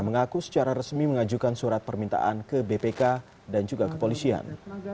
mengaku secara resmi mengajukan surat permintaan ke bpk dan juga kepolisian